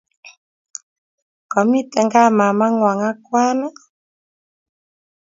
Kamiten gaa mamaengwong ak kwaan?